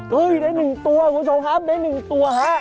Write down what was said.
เฮ้ยได้๑ตัวผู้ชมครับได้๑ตัวฮะ